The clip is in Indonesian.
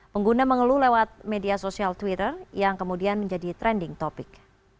pengguna mengeluh lewat media sosial twitter yang kemudian menjadi trending topic